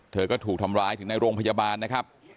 เธอก็ถูกทำร้ายถึงในโรงพยาบาลนะครับ